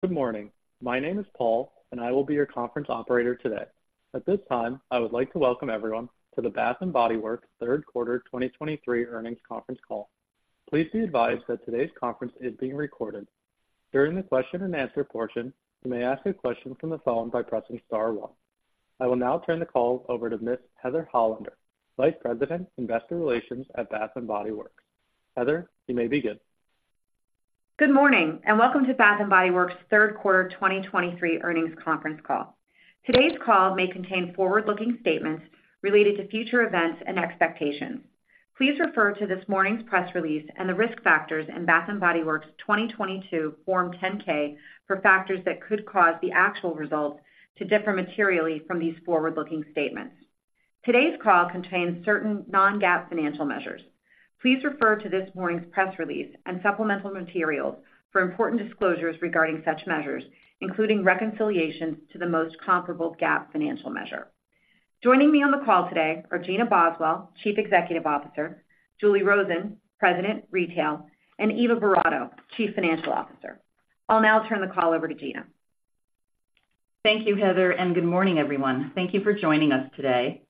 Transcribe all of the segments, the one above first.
Good morning. My name is Paul, and I will be your conference operator today. At this time, I would like to welcome everyone to the Bath & Body Works third quarter 2023 earnings conference call. Please be advised that today's conference is being recorded. During the Q&A portion, you may ask a question from the phone by pressing star one. I will now turn the call over to Ms. Heather Hollander, Vice President, Investor Relations at Bath & Body Works. Heather, you may begin. Good morning, and welcome to Bath & Body Works third quarter 2023 earnings conference call. Today's call may contain forward-looking statements related to future events and expectations. Please refer to this morning's press release and the risk factors in Bath & Body Works' 2022 Form 10-K for factors that could cause the actual results to differ materially from these forward-looking statements. Today's call contains certain non-GAAP financial measures. Please refer to this morning's press release and supplemental materials for important disclosures regarding such measures, including reconciliations to the most comparable GAAP financial measure. Joining me on the call today are Gina Boswell, Chief Executive Officer, Julie Rosen, President, Retail, and Eva Boratto, Chief Financial Officer. I'll now turn the call over to Gina. Thank you, Heather, and good morning, everyone. Thank you for joining us today.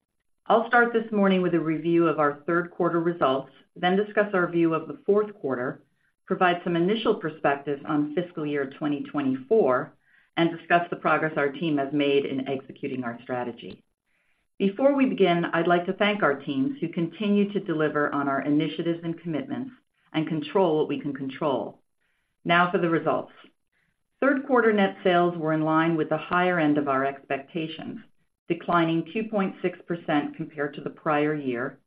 I'll start this morning with a review of our third quarter results, then discuss our view of the fourth quarter, provide some initial perspective on fiscal year 2024, and discuss the progress our team has made in executing our strategy. Before we begin, I'd like to thank our teams, who continue to deliver on our initiatives and commitments and control what we can control. Now for the results. Third quarter net sales were in line with the higher end of our expectations, declining 2.6% compared to the prior year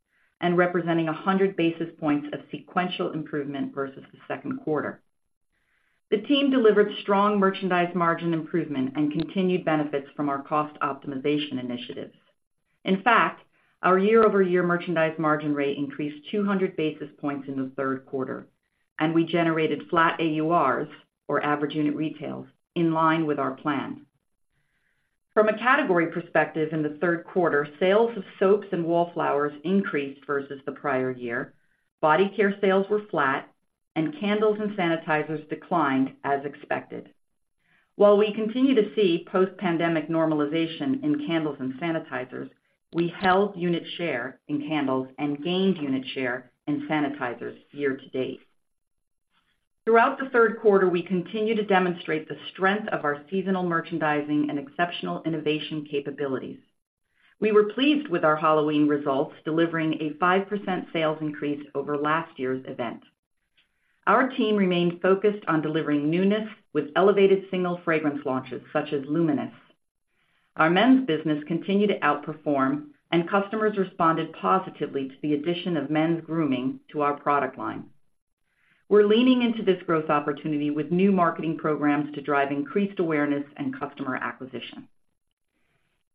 and representing 100 basis points of sequential improvement versus the second quarter. The team delivered strong merchandise margin improvement and continued benefits from our cost optimization initiatives. In fact, our year-over-year merchandise margin rate increased 200 basis points in the third quarter, and we generated flat AURs, or Average Unit Retail, in line with our plan. From a category perspective, in the third quarter, sales of soaps and Wallflowers increased versus the prior year, body care sales were flat, and candles and sanitizers declined as expected. While we continue to see post-pandemic normalization in candles and sanitizers, we held unit share in candles and gained unit share in sanitizers year-to-date. Throughout the third quarter, we continued to demonstrate the strength of our seasonal merchandising and exceptional innovation capabilities. We were pleased with our Halloween results, delivering a 5% sales increase over last year's event. Our team remained focused on delivering newness with elevated single fragrance launches, such as Luminous. Our men's business continued to outperform, and customers responded positively to the addition of men's grooming to our product line. We're leaning into this growth opportunity with new marketing programs to drive increased awareness and customer acquisition.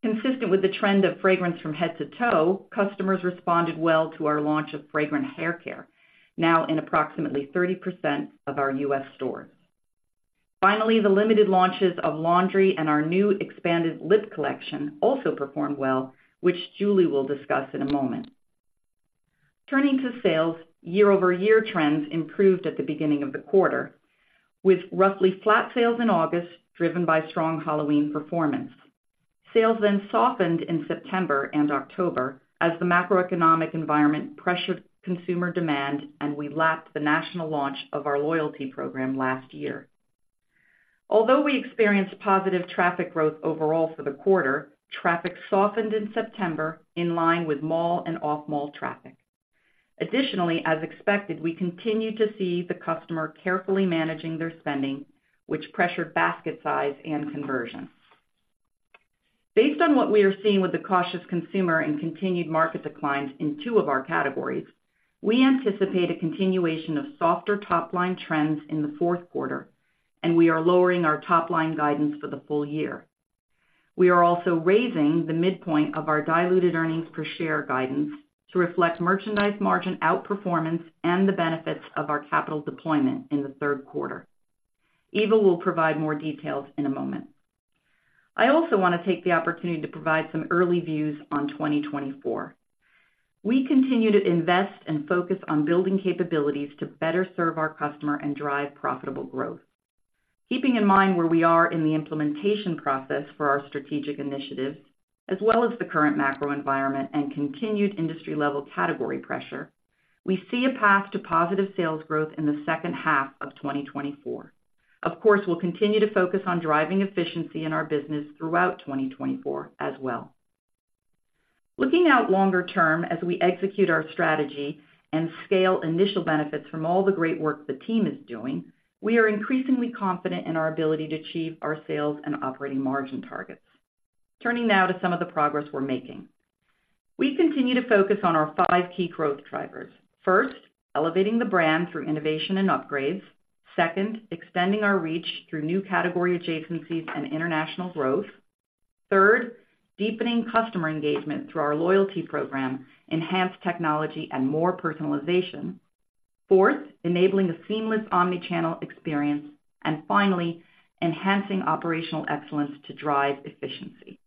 Consistent with the trend of fragrance from head to toe, customers responded well to our launch of fragrant hair care, now in approximately 30% of our U.S. stores. Finally, the limited launches of laundry and our new expanded lip collection also performed well, which Julie will discuss in a moment. Turning to sales, year-over-year trends improved at the beginning of the quarter, with roughly flat sales in August, driven by strong Halloween performance. Sales then softened in September and October as the macroeconomic environment pressured consumer demand, and we lapped the national launch of our loyalty program last year. Although we experienced positive traffic growth overall for the quarter, traffic softened in September in line with mall and off-mall traffic. Additionally, as expected, we continued to see the customer carefully managing their spending, which pressured basket size and conversion. Based on what we are seeing with the cautious consumer and continued market declines in two of our categories, we anticipate a continuation of softer top-line trends in the fourth quarter, and we are lowering our top-line guidance for the full year. We are also raising the midpoint of our diluted earnings per share guidance to reflect merchandise margin outperformance and the benefits of our capital deployment in the third quarter. Eva will provide more details in a moment. I also want to take the opportunity to provide some early views on 2024. We continue to invest and focus on building capabilities to better serve our customer and drive profitable growth. Keeping in mind where we are in the implementation process for our strategic initiatives, as well as the current macro environment and continued industry-level category pressure, we see a path to positive sales growth in the second half of 2024. Of course, we'll continue to focus on driving efficiency in our business throughout 2024 as well. Looking out longer term, as we execute our strategy and scale initial benefits from all the great work the team is doing, we are increasingly confident in our ability to achieve our sales and operating margin targets. Turning now to some of the progress we're making. We continue to focus on our five key growth drivers. First, elevating the brand through innovation and upgrades. Second, extending our reach through new category adjacencies and international growth. Third, deepening customer engagement through our loyalty program, enhanced technology, and more personalization. Fourth, enabling a seamless omnichannel experience. And finally, enhancing operational excellence to drive efficiency,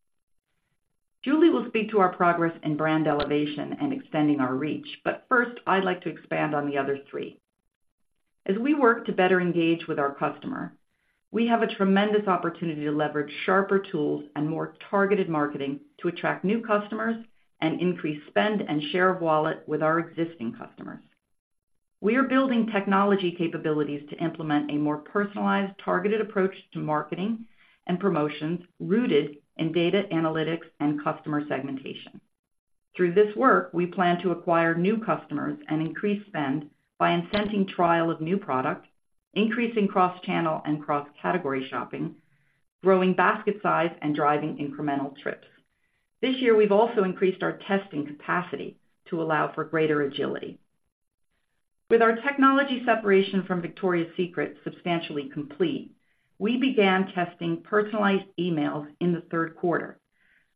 Julie will speak to our progress in brand elevation and extending our reach, but first, I'd like to expand on the other three. As we work to better engage with our customer, we have a tremendous opportunity to leverage sharper tools and more targeted marketing to attract new customers and increase spend and share of wallet with our existing customers. We are building technology capabilities to implement a more personalized, targeted approach to marketing and promotions rooted in data analytics and customer segmentation. Through this work, we plan to acquire new customers and increase spend by incenting trial of new product, increasing cross-channel and cross-category shopping, growing basket size, and driving incremental trips. This year, we've also increased our testing capacity to allow for greater agility. With our technology separation from Victoria's Secret substantially complete, we began testing personalized emails in the third quarter,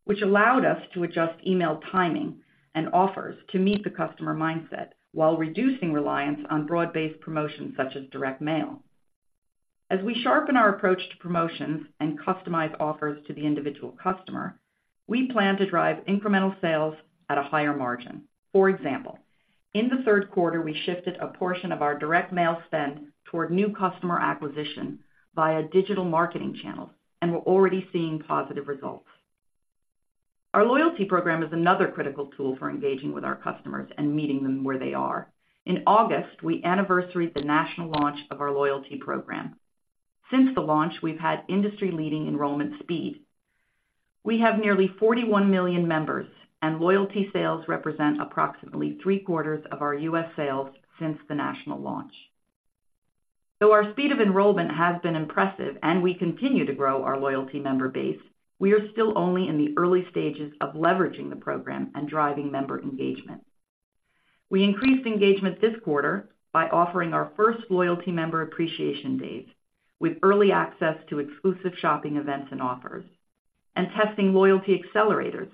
which allowed us to adjust email timing and offers to meet the customer mindset while reducing reliance on broad-based promotions, such as direct mail. As we sharpen our approach to promotions and customize offers to the individual customer, we plan to drive incremental sales at a higher margin. For example, in the third quarter, we shifted a portion of our direct mail spend toward new customer acquisition via digital marketing channels, and we're already seeing positive results. Our loyalty program is another critical tool for engaging with our customers and meeting them where they are. In August, we anniversaried the national launch of our loyalty program. Since the launch, we've had industry-leading enrollment speed. We have nearly 41 million members, and loyalty sales represent approximately three-quarters of our U.S. sales since the national launch. Though our speed of enrollment has been impressive and we continue to grow our loyalty member base, we are still only in the early stages of leveraging the program and driving member engagement. We increased engagement this quarter by offering our first Loyalty Member Appreciation Days, with early access to exclusive shopping events and offers, and testing loyalty accelerators,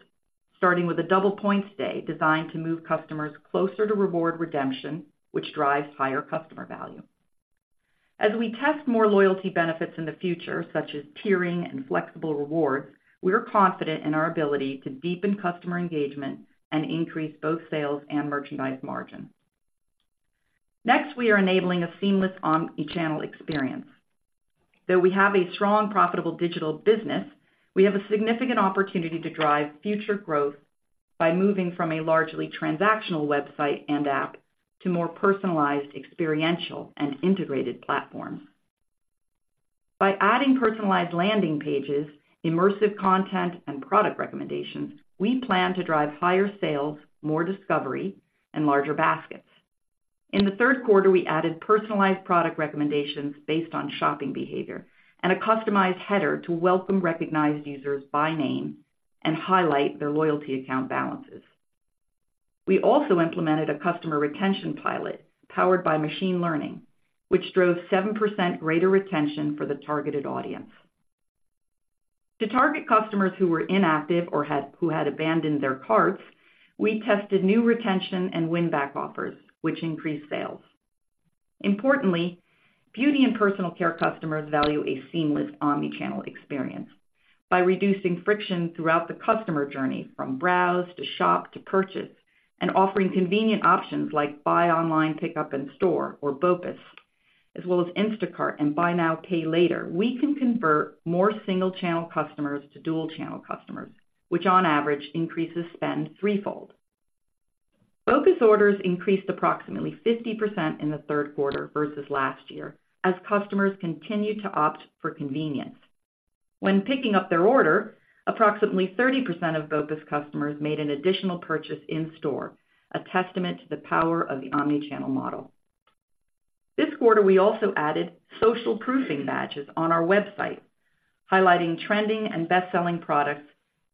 starting with a double points day designed to move customers closer to reward redemption, which drives higher customer value. As we test more loyalty benefits in the future, such as tiering and flexible rewards, we are confident in our ability to deepen customer engagement and increase both sales and merchandise margin. Next, we are enabling a seamless omnichannel experience. Though we have a strong, profitable digital business, we have a significant opportunity to drive future growth by moving from a largely transactional website and app to more personalized, experiential, and integrated platforms. By adding personalized landing pages, immersive content, and product recommendations, we plan to drive higher sales, more discovery, and larger baskets. In the third quarter, we added personalized product recommendations based on shopping behavior and a customized header to welcome recognized users by name and highlight their loyalty account balances. We also implemented a customer retention pilot powered by machine learning, which drove 7% greater retention for the targeted audience. To target customers who were inactive or who had abandoned their carts, we tested new retention and win-back offers, which increased sales. Importantly, beauty and personal care customers value a seamless omnichannel experience. By reducing friction throughout the customer journey, from browse to shop to purchase, and offering convenient options like Buy Online, Pickup In-Store, or BOPUS, as well as Instacart and Buy Now, Pay Later, we can convert more single-channel customers to dual-channel customers, which on average, increases spend threefold. BOPUS orders increased approximately 50% in the third quarter versus last year, as customers continued to opt for convenience. When picking up their order, approximately 30% of BOPUS customers made an additional purchase in store, a testament to the power of the omnichannel model. This quarter, we also added social proofing badges on our website, highlighting trending and best-selling products,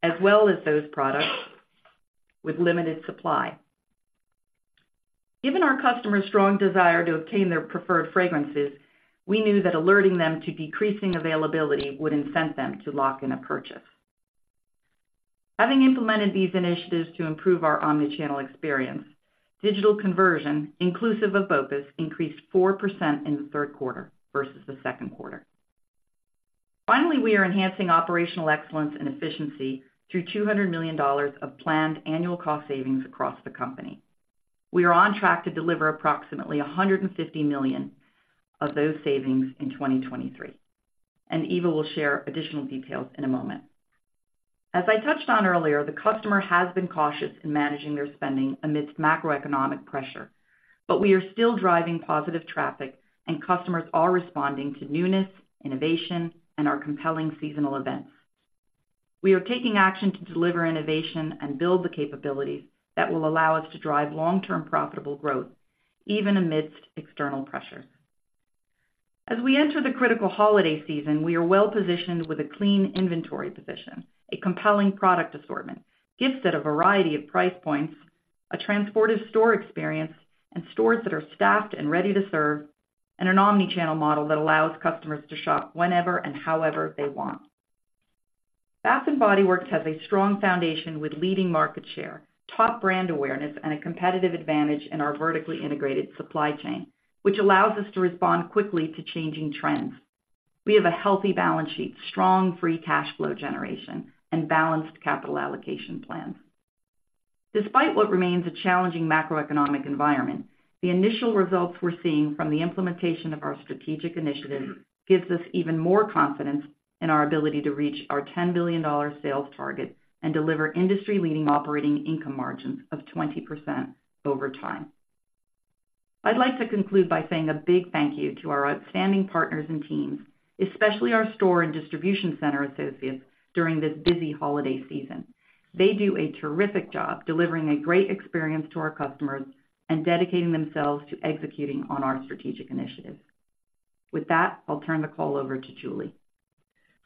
as well as those products with limited supply. Given our customers' strong desire to obtain their preferred fragrances, we knew that alerting them to decreasing availability would incent them to lock in a purchase. Having implemented these initiatives to improve our omnichannel experience, digital conversion, inclusive of BOPUS, increased 4% in the third quarter versus the second quarter. Finally, we are enhancing operational excellence and efficiency through $200 million of planned annual cost savings across the company. We are on track to deliver approximately $150 million of those savings in 2023, and Eva will share additional details in a moment. As I touched on earlier, the customer has been cautious in managing their spending amidst macroeconomic pressure, but we are still driving positive traffic, and customers are responding to newness, innovation, and our compelling seasonal events. We are taking action to deliver innovation and build the capabilities that will allow us to drive long-term profitable growth, even amidst external pressures. As we enter the critical holiday season, we are well-positioned with a clean inventory position, a compelling product assortment, gifts at a variety of price points, a transportive store experience, and stores that are staffed and ready to serve, and an omnichannel model that allows customers to shop whenever and however they want. Bath & Body Works has a strong foundation with leading market share, top brand awareness, and a competitive advantage in our vertically integrated supply chain, which allows us to respond quickly to changing trends. We have a healthy balance sheet, strong free cash flow generation, and balanced capital allocation plans. Despite what remains a challenging macroeconomic environment, the initial results we're seeing from the implementation of our strategic initiatives gives us even more confidence in our ability to reach our $10 billion sales target and deliver industry-leading operating income margins of 20% over time. I'd like to conclude by saying a big thank you to our outstanding partners and teams, especially our store and distribution center associates during this busy holiday season. They do a terrific job delivering a great experience to our customers and dedicating themselves to executing on our strategic initiatives. With that, I'll turn the call over to Julie.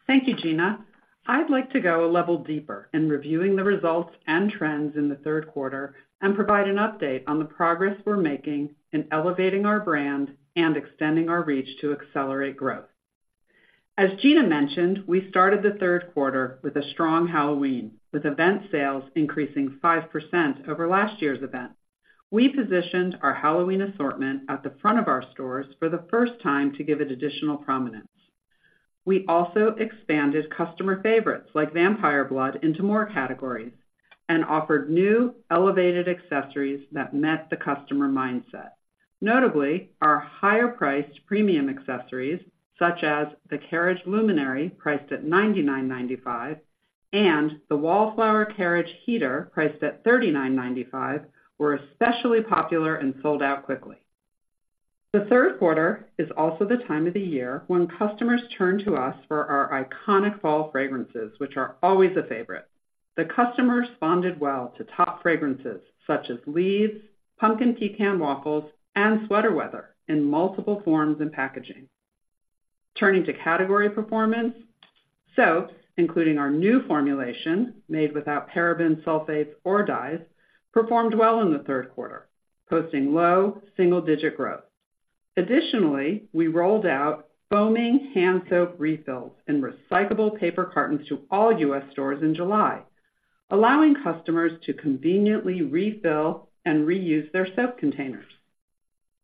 Thank you, Gina. I'd like to go a level deeper in reviewing the results and trends in the third quarter and provide an update on the progress we're making in elevating our brand and extending our reach to accelerate growth. As Gina mentioned, we started the third quarter with a strong Halloween, with event sales increasing 5% over last year's event. We positioned our Halloween assortment at the front of our stores for the first time to give it additional prominence. We also expanded customer favorites, like Vampire Blood, into more categories and offered new, elevated accessories that met the customer mindset. Notably, our higher-priced premium accessories, such as the Carriage Luminary, priced at $99.95, and the Wallflower Carriage Heater, priced at $39.95, were especially popular and sold out quickly. The third quarter is also the time of the year when customers turn to us for our iconic fall fragrances, which are always a favorite. The customers bonded well to top fragrances such as Leaves, Pumpkin Pecan Waffles and Sweater Weather in multiple forms and packaging. Turning to category performance. Soaps, including our new formulation made without parabens, sulfates, or dyes, performed well in the third quarter, posting low single-digit growth. Additionally, we rolled out foaming hand soap refills and recyclable paper cartons to all U.S. stores in July, allowing customers to conveniently refill and reuse their soap containers.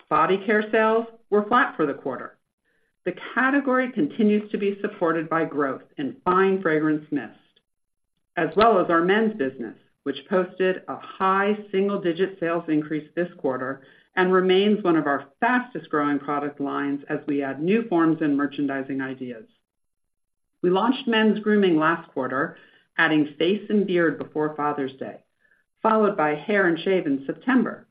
Body care sales were flat for the quarter. The category continues to be supported by growth in fine fragrance mist, as well as our men's business, which posted a high single-digit sales increase this quarter and remains one of our fastest-growing product lines as we add new forms and merchandising ideas. We launched men's grooming last quarter, adding face and beard before Father's Day, followed by hair and shave in September.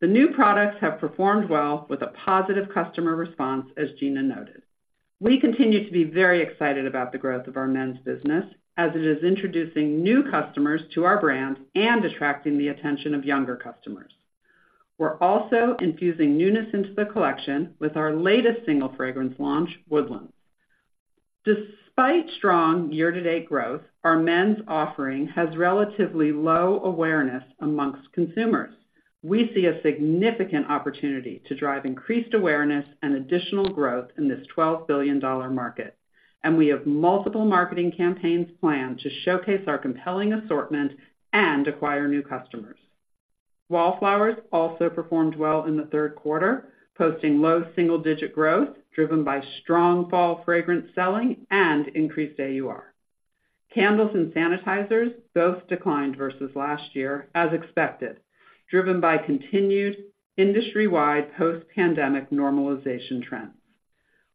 The new products have performed well with a positive customer response, as Gina noted. We continue to be very excited about the growth of our men's business, as it is introducing new customers to our brand and attracting the attention of younger customers. We're also infusing newness into the collection with our latest single fragrance launch, Woodlands. Despite strong year-to-date growth, our men's offering has relatively low awareness among consumers. We see a significant opportunity to drive increased awareness and additional growth in this $12 billion market, and we have multiple marketing campaigns planned to showcase our compelling assortment and acquire new customers. Wallflowers also performed well in the third quarter, posting low single-digit growth driven by strong fall fragrance selling and increased AUR. Candles and sanitizers both declined versus last year, as expected, driven by continued industry-wide post-pandemic normalization trends.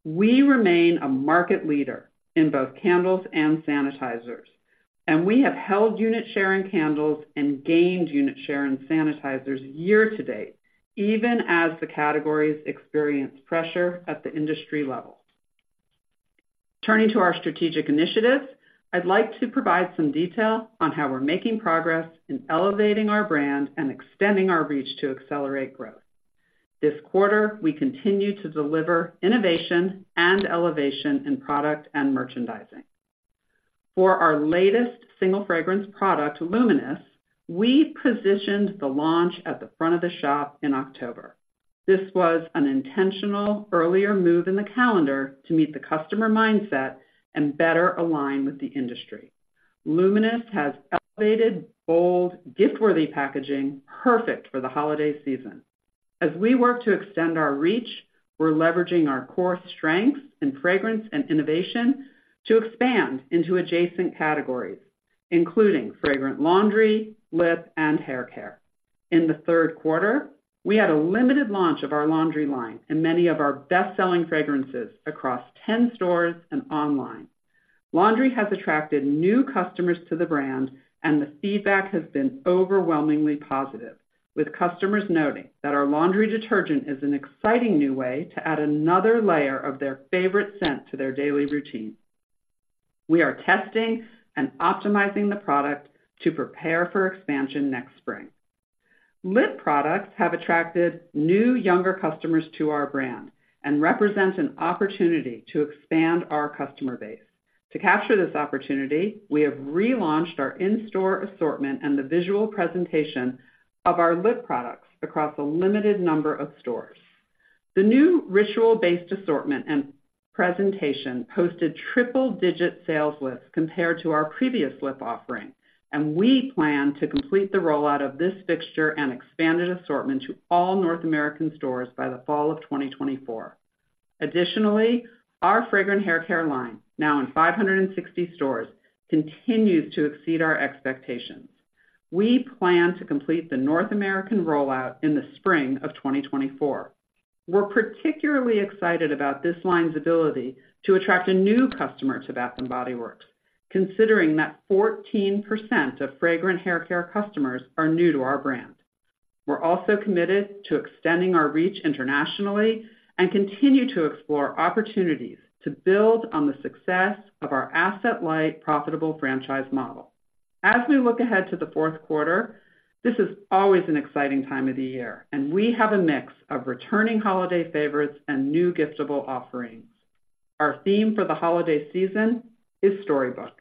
We remain a market leader in both candles and sanitizers, and we have held unit share in candles and gained unit share in sanitizers year-to-date, even as the categories experience pressure at the industry level. Turning to our strategic initiatives, I'd like to provide some detail on how we're making progress in elevating our brand and extending our reach to accelerate growth. This quarter, we continue to deliver innovation and elevation in product and merchandising. For our latest single fragrance product, Luminous, we positioned the launch at the front of the shop in October. This was an intentional earlier move in the calendar to meet the customer mindset and better align with the industry. Luminous has elevated bold, gift-worthy packaging, perfect for the holiday season. As we work to extend our reach, we're leveraging our core strengths in fragrance and innovation to expand into adjacent categories, including fragrant laundry, lip, and hair care. In the third quarter, we had a limited launch of our laundry line and many of our best-selling fragrances across 10 stores and online. Laundry has attracted new customers to the brand, and the feedback has been overwhelmingly positive, with customers noting that our laundry detergent is an exciting new way to add another layer of their favorite scent to their daily routine. We are testing and optimizing the product to prepare for expansion next spring. Lip products have attracted new, younger customers to our brand and represent an opportunity to expand our customer base. To capture this opportunity, we have relaunched our in-store assortment and the visual presentation of our lip products across a limited number of stores. The new ritual-based assortment and presentation posted triple-digit sales lifts compared to our previous lip offering, and we plan to complete the rollout of this fixture and expanded assortment to all North American stores by the fall of 2024. Additionally, our fragrant hair care line, now in 560 stores, continues to exceed our expectations. We plan to complete the North American rollout in the spring of 2024. We're particularly excited about this line's ability to attract a new customer to Bath & Body Works, considering that 14% of fragrant hair care customers are new to our brand. We're also committed to extending our reach internationally and continue to explore opportunities to build on the success of our asset-light, profitable franchise model. As we look ahead to the fourth quarter, this is always an exciting time of the year, and we have a mix of returning holiday favorites and new giftable offerings. Our theme for the holiday season is Storybook.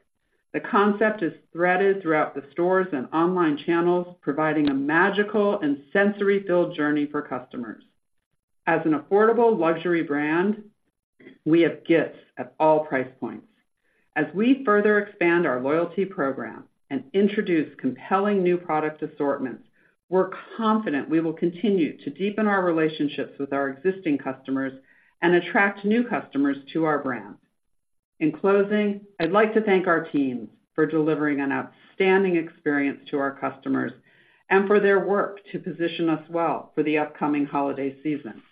The concept is threaded throughout the stores and online channels, providing a magical and sensory-filled journey for customers. As an affordable luxury brand, we have gifts at all price points. As we further expand our loyalty program and introduce compelling new product assortments, we're confident we will continue to deepen our relationships with our existing customers and attract new customers to our brand. In closing, I'd like to thank our teams for delivering an outstanding experience to our customers and for their work to position us well for the upcoming holiday season.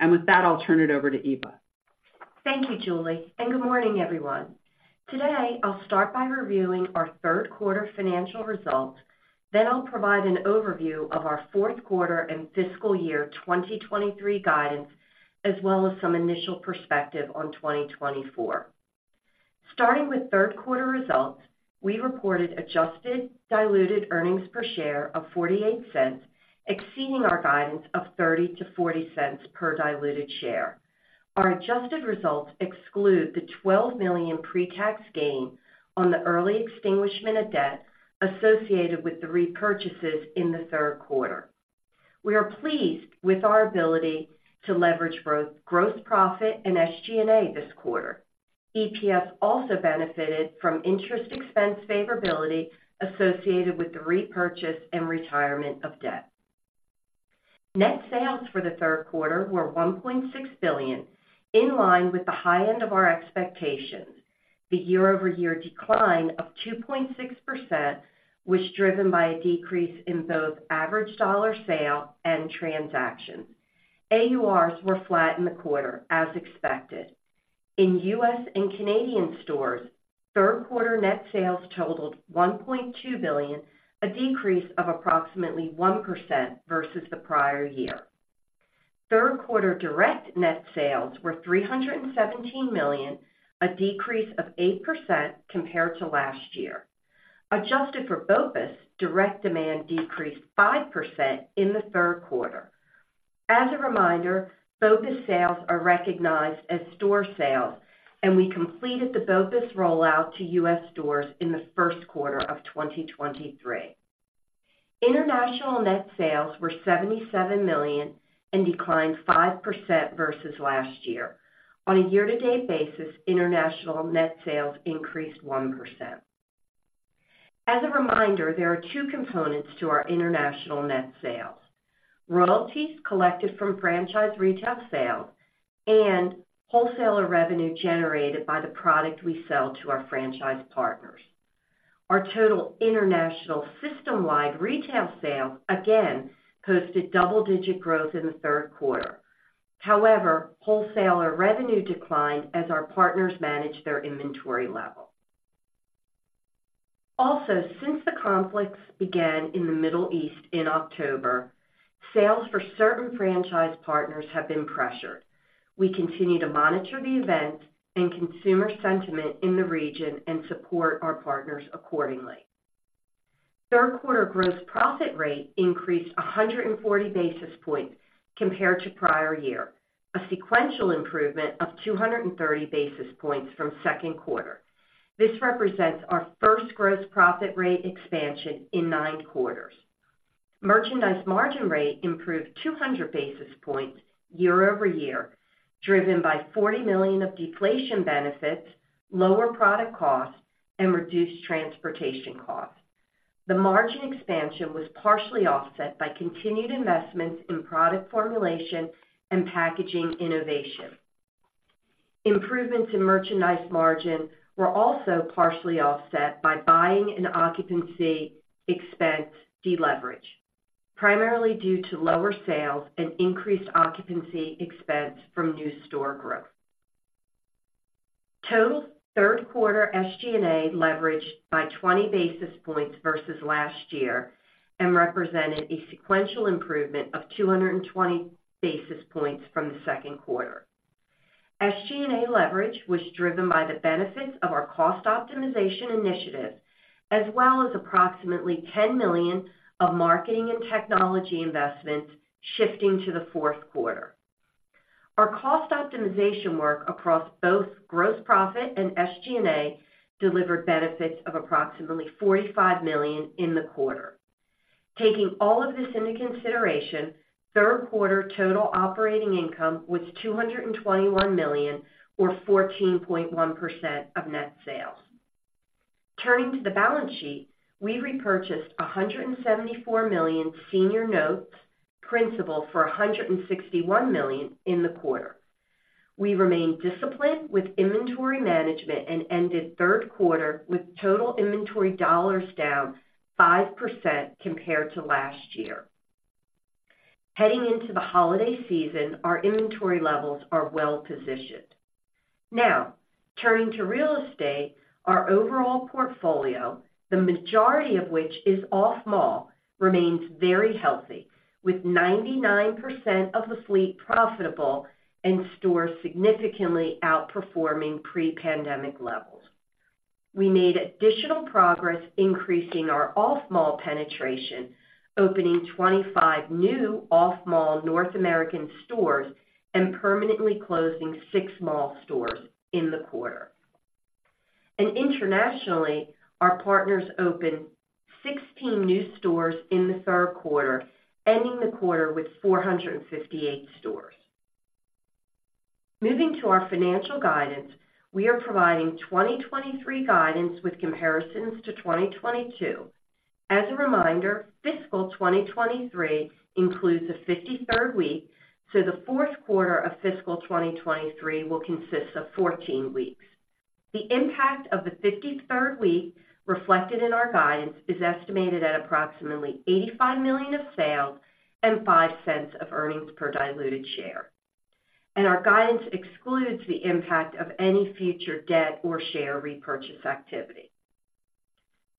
With that, I'll turn it over to Eva. Thank you, Julie, and good morning, everyone. Today, I'll start by reviewing our third quarter financial results, then I'll provide an overview of our fourth quarter and fiscal year 2023 guidance, as well as some initial perspective on 2024. Starting with third quarter results, we reported adjusted diluted earnings per share of $0.48, exceeding our guidance of $0.30-$0.40 per diluted share. Our adjusted results exclude the $12 million pretax gain on the early extinguishment of debt associated with the repurchases in the third quarter. We are pleased with our ability to leverage both gross profit and SG&A this quarter. EPS also benefited from interest expense favorability associated with the repurchase and retirement of debt. Net sales for the third quarter were $1.6 billion, in line with the high end of our expectations. The year-over-year decline of 2.6% was driven by a decrease in both average dollar sale and transaction. AURs were flat in the quarter, as expected. In U.S. and Canadian stores, third quarter net sales totaled $1.2 billion, a decrease of approximately 1% versus the prior year. Third quarter direct net sales were $317 million, a decrease of 8% compared to last year. Adjusted for BOPUS, direct demand decreased 5% in the third quarter. As a reminder, BOPUS sales are recognized as store sales, and we completed the BOPUS rollout to U.S. stores in the first quarter of 2023. International net sales were $77 million and declined 5% versus last year. On a year-to-date basis, international net sales increased 1%. As a reminder, there are two components to our international net sales: royalties collected from franchise retail sales and wholesaler revenue generated by the product we sell to our franchise partners. Our total international system-wide retail sales again posted double-digit growth in the third quarter. However, wholesaler revenue declined as our partners managed their inventory level. Also, since the conflicts began in the Middle East in October, sales for certain franchise partners have been pressured. We continue to monitor the event and consumer sentiment in the region and support our partners accordingly. Third quarter gross profit rate increased 140 basis points compared to prior year, a sequential improvement of 230 basis points from second quarter. This represents our first gross profit rate expansion in nine quarters. Merchandise margin rate improved 200 basis points year-over-year, driven by $40 million of deflation benefits, lower product costs, and reduced transportation costs. The margin expansion was partially offset by continued investments in product formulation and packaging innovation. Improvements in merchandise margin were also partially offset by buying and occupancy expense deleverage, primarily due to lower sales and increased occupancy expense from new store growth. Total third quarter SG&A leveraged by 20 basis points versus last year and represented a sequential improvement of 220 basis points from the second quarter. SG&A leverage was driven by the benefits of our cost optimization initiative, as well as approximately $10 million of marketing and technology investments shifting to the fourth quarter. Our cost optimization work across both gross profit and SG&A delivered benefits of approximately $45 million in the quarter. Taking all of this into consideration, third quarter total operating income was $221 million, or 14.1% of net sales. Turning to the balance sheet, we repurchased $174 million senior notes principal for $161 million in the quarter. We remained disciplined with inventory management and ended third quarter with total inventory dollars down 5% compared to last year. Heading into the holiday season, our inventory levels are well-positioned. Now, turning to real estate, our overall portfolio, the majority of which is off-mall, remains very healthy, with 99% of the fleet profitable and stores significantly outperforming pre-pandemic levels. We made additional progress, increasing our off-mall penetration, opening 25 new off-mall North American stores and permanently closing 6 mall stores in the quarter. Internationally, our partners opened 16 new stores in the third quarter, ending the quarter with 458 stores. Moving to our financial guidance, we are providing 2023 guidance with comparisons to 2022. As a reminder, fiscal 2023 includes a 53rd week, so the fourth quarter of fiscal 2023 will consist of 14 weeks. The impact of the 53rd week reflected in our guidance is estimated at approximately $85 million of sales and $0.05 of earnings per diluted share. Our guidance excludes the impact of any future debt or share repurchase activity.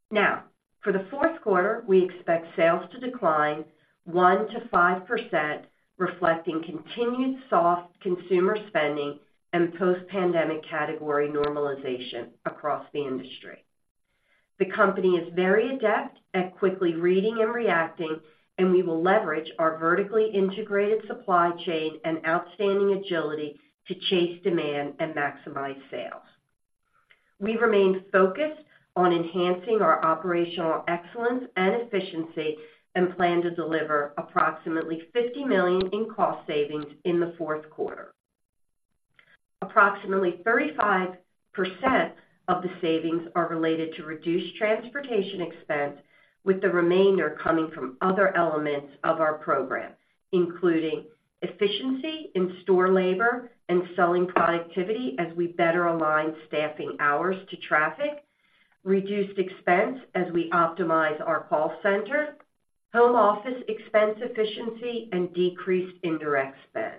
Now, for the fourth quarter, we expect sales to decline 1%-5%, reflecting continued soft consumer spending and post-pandemic category normalization across the industry. The company is very adept at quickly reading and reacting, and we will leverage our vertically integrated supply chain and outstanding agility to chase demand and maximize sales. We remain focused on enhancing our operational excellence and efficiency and plan to deliver approximately $50 million in cost savings in the fourth quarter. Approximately 35% of the savings are related to reduced transportation expense, with the remainder coming from other elements of our program, including efficiency in store labor and selling productivity as we better align staffing hours to traffic, reduced expense as we optimize our call center, home office expense efficiency, and decreased indirect spend.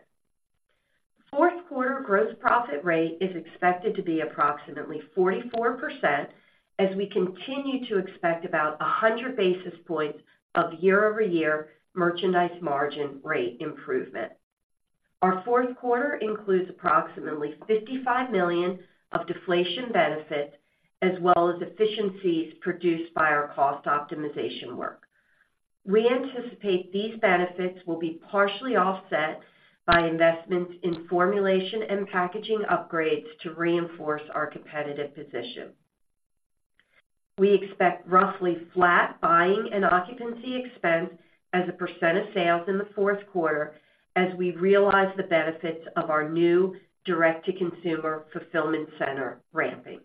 Fourth quarter gross profit rate is expected to be approximately 44%, as we continue to expect about 100 basis points of year-over-year merchandise margin rate improvement. Our fourth quarter includes approximately $55 million of deflation benefit, as well as efficiencies produced by our cost optimization work. We anticipate these benefits will be partially offset by investments in formulation and packaging upgrades to reinforce our competitive position. We expect roughly flat buying and occupancy expense as a percent of sales in the fourth quarter as we realize the benefits of our new direct-to-consumer fulfillment center ramping.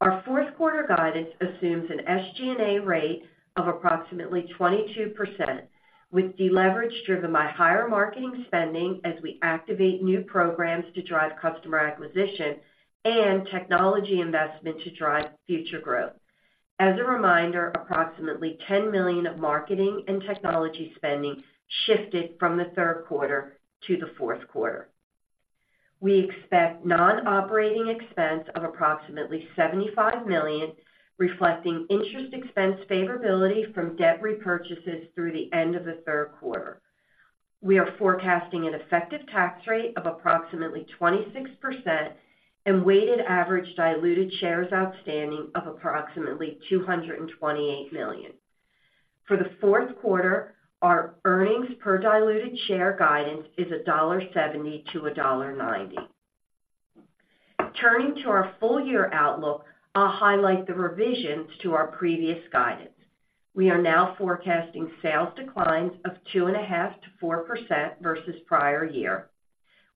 Our fourth quarter guidance assumes an SG&A rate of approximately 22%, with deleverage driven by higher marketing spending as we activate new programs to drive customer acquisition and technology investment to drive future growth. As a reminder, approximately $10 million of marketing and technology spending shifted from the third quarter to the fourth quarter. We expect non-operating expense of approximately $75 million, reflecting interest expense favorability from debt repurchases through the end of the third quarter. We are forecasting an effective tax rate of approximately 26% and weighted average diluted shares outstanding of approximately 228 million. For the fourth quarter, our earnings per diluted share guidance is $1.70-$1.90. Turning to our full-year outlook, I'll highlight the revisions to our previous guidance. We are now forecasting sales declines of 2.5%-4% versus prior year.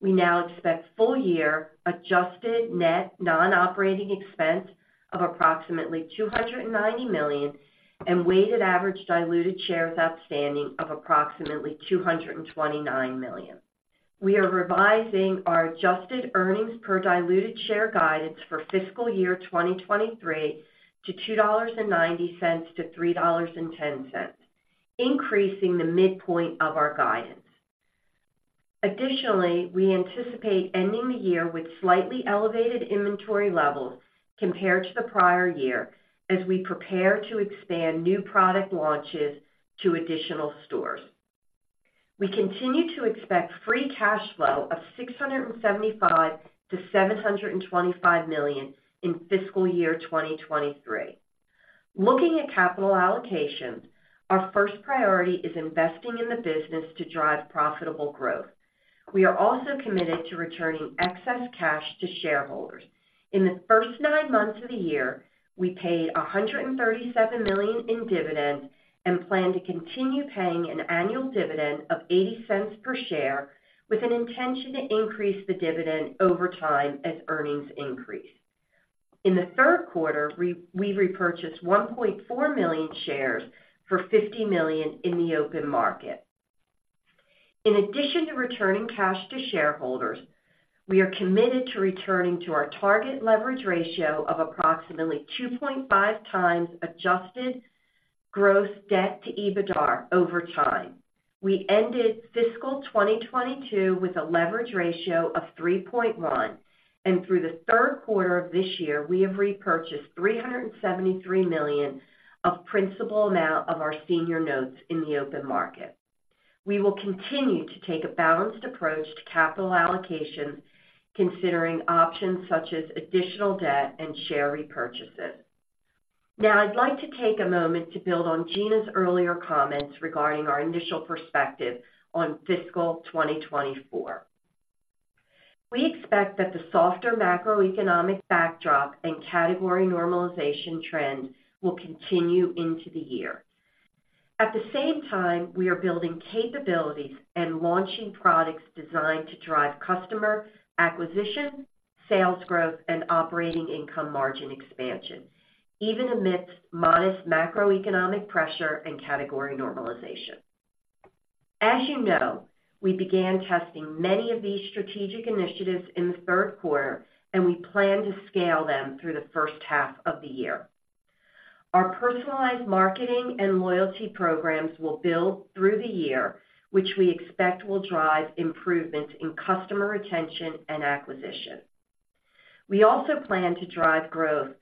We now expect full-year adjusted net non-operating expense of approximately $290 million, and weighted average diluted shares outstanding of approximately 229 million. We are revising our adjusted earnings per diluted share guidance for fiscal year 2023 to $2.90-$3.10, increasing the midpoint of our guidance. Additionally, we anticipate ending the year with slightly elevated inventory levels compared to the prior year as we prepare to expand new product launches to additional stores. We continue to expect free cash flow of $675 million-$725 million in fiscal year 2023. Looking at capital allocation, our first priority is investing in the business to drive profitable growth. We are also committed to returning excess cash to shareholders. In the first nine months of the year, we paid $137 million in dividends and plan to continue paying an annual dividend of $0.80 per share, with an intention to increase the dividend over time as earnings increase. In the third quarter, we repurchased 1.4 million shares for $50 million in the open market. In addition to returning cash to shareholders, we are committed to returning to our target leverage ratio of approximately 2.5x adjusted gross debt to EBITDAR over time. We ended fiscal 2022 with a leverage ratio of 3.1, and through the third quarter of this year, we have repurchased $373 million of principal amount of our senior notes in the open market. We will continue to take a balanced approach to capital allocation, considering options such as additional debt and share repurchases. Now, I'd like to take a moment to build on Gina's earlier comments regarding our initial perspective on fiscal 2024. We expect that the softer macroeconomic backdrop and category normalization trend will continue into the year. At the same time, we are building capabilities and launching products designed to drive customer acquisition, sales growth, and operating income margin expansion, even amidst modest macroeconomic pressure and category normalization. As you know, we began testing many of these strategic initiatives in the third quarter, and we plan to scale them through the first half of the year. Our personalized marketing and loyalty programs will build through the year, which we expect will drive improvements in customer retention and acquisition. We also plan to drive growth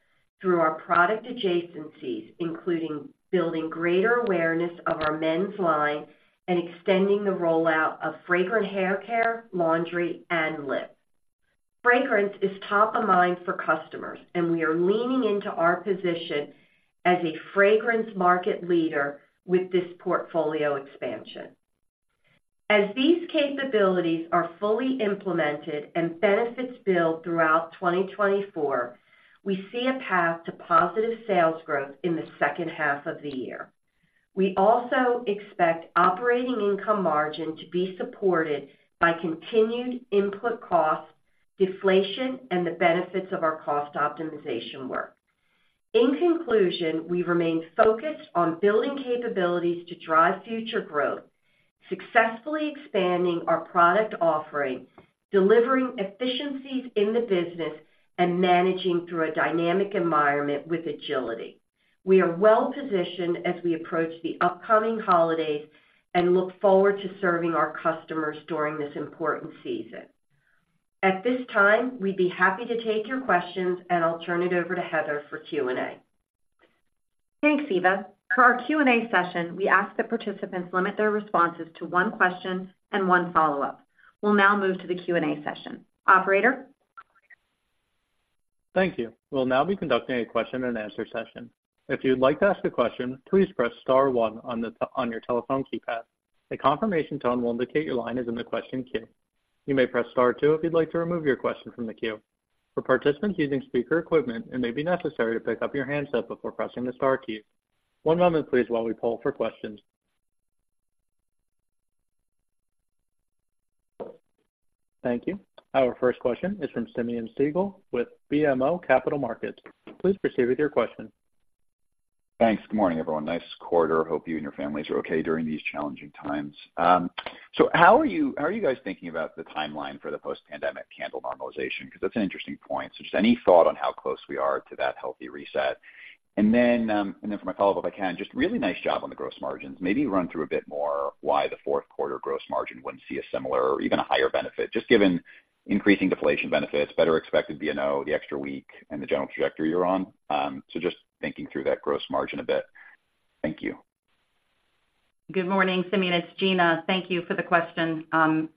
through our product adjacencies, including building greater awareness of our men's line and extending the rollout of fragrant hair care, laundry, and lip. Fragrance is top of mind for customers, and we are leaning into our position as a fragrance market leader with this portfolio expansion. As these capabilities are fully implemented and benefits build throughout 2024, we see a path to positive sales growth in the second half of the year. We also expect operating income margin to be supported by continued input costs, deflation, and the benefits of our cost optimization work. In conclusion, we remain focused on building capabilities to drive future growth, successfully expanding our product offering, delivering efficiencies in the business, and managing through a dynamic environment with agility. We are well positioned as we approach the upcoming holidays and look forward to serving our customers during this important season. At this time, we'd be happy to take your questions, and I'll turn it over to Heather for Q&A. Thanks, Eva. For our Q&A session, we ask that participants limit their responses to one question and one follow-up. We'll now move to the Q&A session. Operator? Thank you. We'll now be conducting a Q&A session. If you'd like to ask a question, please press star one on your telephone keypad. A confirmation tone will indicate your line is in the question queue. You may press star two if you'd like to remove your question from the queue. For participants using speaker equipment, it may be necessary to pick up your handset before pressing the star key. One moment, please, while we poll for questions. Thank you. Our first question is from Simeon Siegel with BMO Capital Markets. Please proceed with your question. Thanks. Good morning, everyone. Nice quarter. Hope you and your families are okay during these challenging times. So how are you guys thinking about the timeline for the post-pandemic candle normalization? Because that's an interesting point. So just any thought on how close we are to that healthy reset? And then, for my follow-up, if I can, just really nice job on the gross margins. Maybe run through a bit more why the fourth quarter gross margin wouldn't see a similar or even a higher benefit, just given increasing deflation benefits, better expected B&O, the extra week, and the general trajectory you're on. So just thinking through that gross margin a bit. Thank you. Good morning, Simeon. It's Gina. Thank you for the question.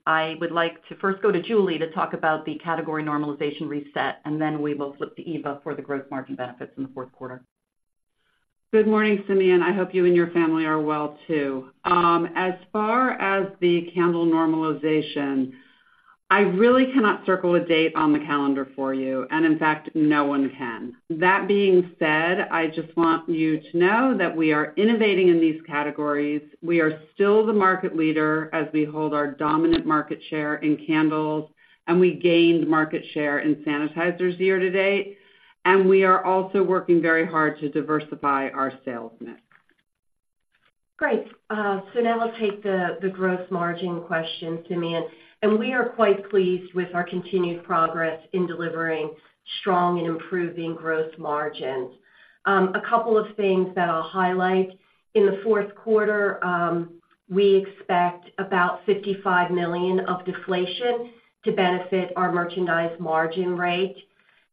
I would like to first go to Julie to talk about the category normalization reset, and then we will flip to Eva for the gross margin benefits in the fourth quarter. Good morning, Simeon. I hope you and your family are well, too. As far as the candle normalization, I really cannot circle a date on the calendar for you, and in fact, no one can. That being said, I just want you to know that we are innovating in these categories. We are still the market leader as we hold our dominant market share in candles, and we gained market share in sanitizers year-to-date, and we are also working very hard to diversify our sales mix. Great. So now I'll take the gross margin question, Simeon, and we are quite pleased with our continued progress in delivering strong and improving gross margins. A couple of things that I'll highlight. In the fourth quarter, we expect about $55 million of deflation to benefit our merchandise margin rate,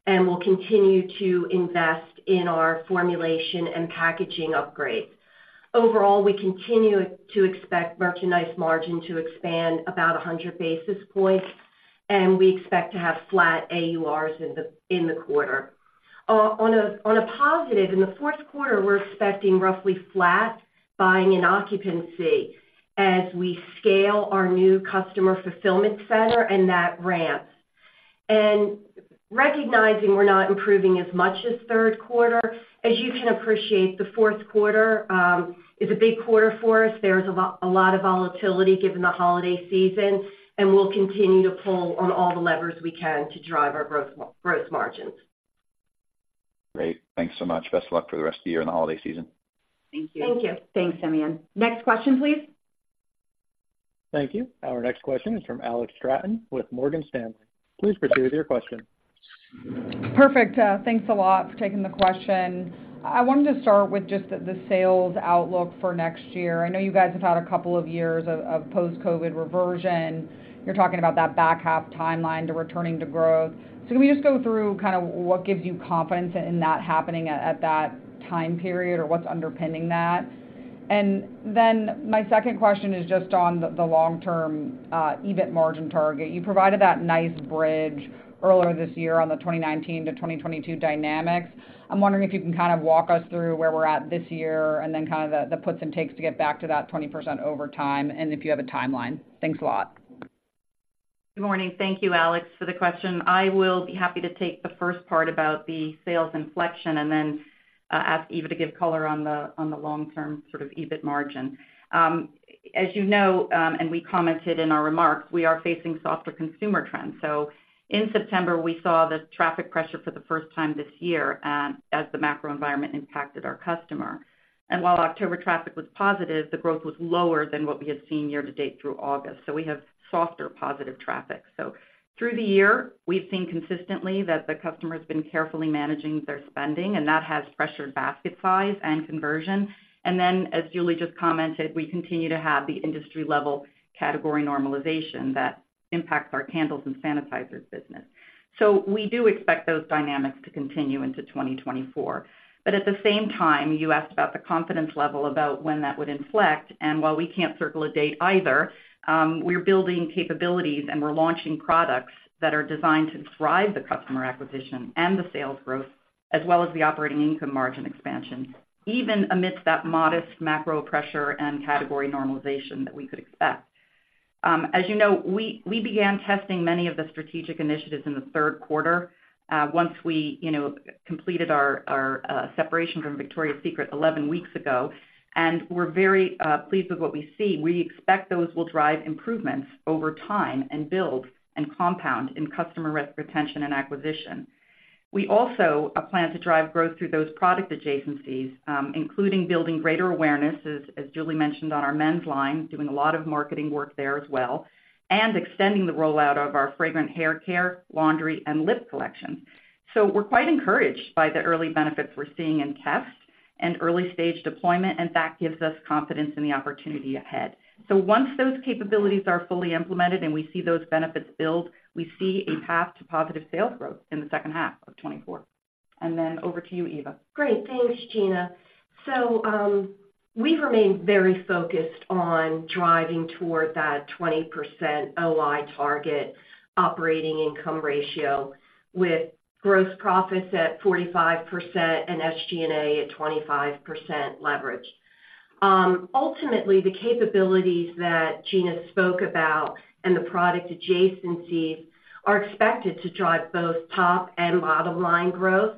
and we'll continue to invest in our formulation and packaging upgrades. Overall, we continue to expect merchandise margin to expand about 100 basis points, and we expect to have flat AURs in the quarter. On a positive, in the fourth quarter, we're expecting roughly flat buying and occupancy as we scale our new customer fulfillment center and that ramp. And recognizing we're not improving as much as third quarter, as you can appreciate, the fourth quarter is a big quarter for us. There's a lot of volatility given the holiday season, and we'll continue to pull on all the levers we can to drive our growth, gross margins. Great! Thanks so much. Best of luck for the rest of the year and the holiday season. Thank you. Thank you. Thanks, Simeon. Next question, please. Thank you. Our next question is from Alex Straton with Morgan Stanley. Please proceed with your question. Perfect. Thanks a lot for taking the question. I wanted to start with just the sales outlook for next year. I know you guys have had a couple of years of post-COVID reversion. You're talking about that back half timeline to returning to growth. So can we just go through kind of what gives you confidence in that happening at that time period, or what's underpinning that? And then my second question is just on the long-term EBIT margin target. You provided that nice bridge earlier this year on the 2019-2022 dynamics. I'm wondering if you can kind of walk us through where we're at this year and then kind of the puts and takes to get back to that 20% over time, and if you have a timeline. Thanks a lot. Good morning. Thank you, Alex, for the question. I will be happy to take the first part about the sales inflection and then ask Eva to give color on the long-term sort of EBIT margin. As you know, and we commented in our remarks, we are facing softer consumer trends. So in September, we saw the traffic pressure for the first time this year as the macro environment impacted our customer. And while October traffic was positive, the growth was lower than what we had seen year-to-date through August. So we have softer positive traffic. So through the year, we've seen consistently that the customer has been carefully managing their spending, and that has pressured basket size and conversion. And then, as Julie just commented, we continue to have the industry-level category normalization that impacts our candles and sanitizers business. So we do expect those dynamics to continue into 2024. But at the same time, you asked about the confidence level about when that would inflect, and while we can't circle a date either, we're building capabilities and we're launching products that are designed to drive the customer acquisition and the sales growth, as well as the operating income margin expansion, even amidst that modest macro pressure and category normalization that we could expect. As you know, we began testing many of the strategic initiatives in the third quarter, once we completed our separation from Victoria's Secret 11 weeks ago, and we're very pleased with what we see. We expect those will drive improvements over time and build and compound in customer retention and acquisition. We also plan to drive growth through those product adjacencies, including building greater awareness, as Julie mentioned, on our men's line, doing a lot of marketing work there as well, and extending the rollout of our fragrant hair care, laundry, and lip collection. So we're quite encouraged by the early benefits we're seeing in tests and early-stage deployment, and that gives us confidence in the opportunity ahead. So once those capabilities are fully implemented and we see those benefits build, we see a path to positive sales growth in the second half of 2024. And then over to you, Eva. Great. Thanks, Gina. So, we've remained very focused on driving toward that 20% OI target operating income ratio with gross profits at 45% and SG&A at 25% leverage. Ultimately, the capabilities that Gina spoke about and the product adjacencies are expected to drive both top and bottom-line growth.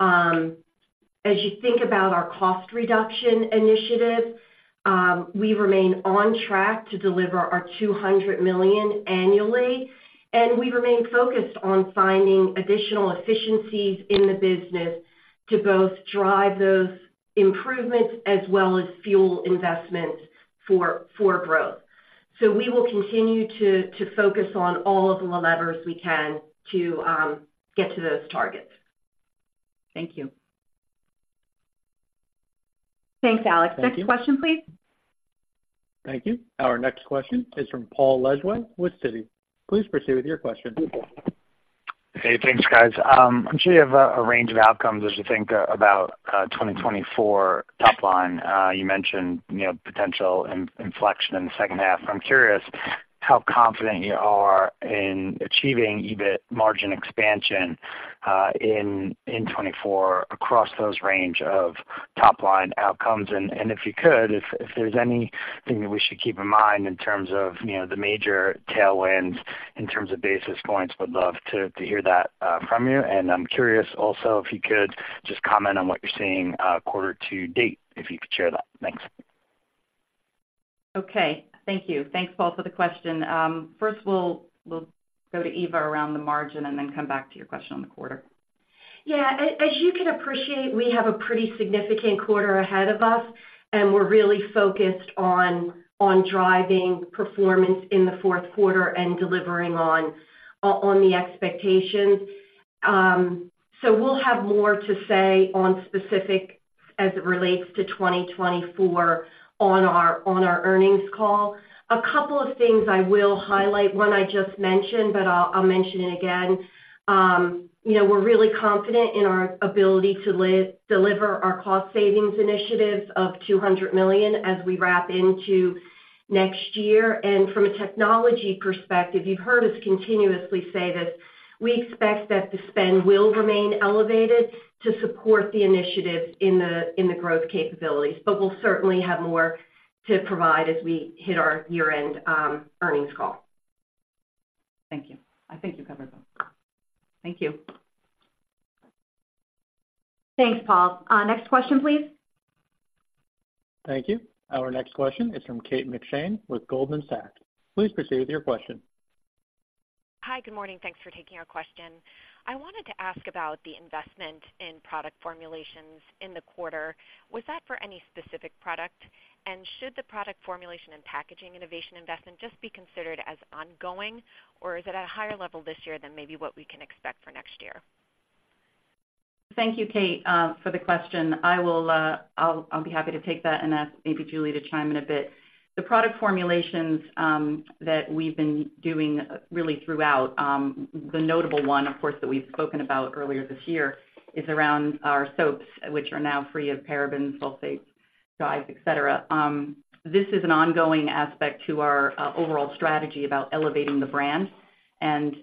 As you think about our cost reduction initiative, we remain on track to deliver our $200 million annually, and we remain focused on finding additional efficiencies in the business to both drive those improvements as well as fuel investments for growth. So we will continue to focus on all of the levers we can to get to those targets. Thank you. Thanks, Alex. Thank you. Next question, please. Thank you. Our next question is from Paul Lejuez with Citi. Please proceed with your question. Hey, thanks, guys. I'm sure you have a range of outcomes as you think about 2024 top-line. You mentioned, you know, potential inflection in the second half. I'm curious how confident you are in achieving EBIT margin expansion in 2024 across those range of top-line outcomes. And if you could, if there's anything that we should keep in mind in terms of, you know, the major tailwinds in terms of basis points, would love to hear that from you. And I'm curious also, if you could just comment on what you're seeing quarter to date, if you could share that. Thanks. Okay. Thank you. Thanks, Paul, for the question. First, we'll go to Eva around the margin and then come back to your question on the quarter. Yeah. As you can appreciate, we have a pretty significant quarter ahead of us, and we're really focused on driving performance in the fourth quarter and delivering on the expectations. So we'll have more to say on specifics as it relates to 2024 on our earnings call. A couple of things I will highlight, one I just mentioned, but I'll mention it again. You know, we're really confident in our ability to deliver our cost savings initiatives of $200 million as we wrap into next year. And from a technology perspective, you've heard us continuously say this, we expect that the spend will remain elevated to support the initiatives in the growth capabilities, but we'll certainly have more to provide as we hit our year-end earnings call. Thank you. I think you covered that. Thank you. Thanks, Paul. Next question, please? Thank you. Our next question is from Kate McShane with Goldman Sachs. Please proceed with your question. Hi, good morning. Thanks for taking our question. I wanted to ask about the investment in product formulations in the quarter. Was that for any specific product? And should the product formulation and packaging innovation investment just be considered as ongoing, or is it at a higher level this year than maybe what we can expect for next year? Thank you, Kate, for the question. I will be happy to take that and ask maybe Julie to chime in a bit. The product formulations that we've been doing really throughout, the notable one, of course, that we've spoken about earlier this year, is around our soaps, which are now free of parabens, sulfates, dyes, et cetera. This is an ongoing aspect to our overall strategy about elevating the brand and